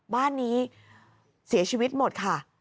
บ้านนี้เสียชีวิตหมดค่ะ